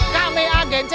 kami agen cae